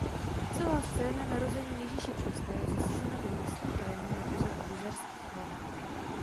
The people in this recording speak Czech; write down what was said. Celá scéna narození Ježíše Krista je zasazena do místní krajiny na pozadí Jizerských hor.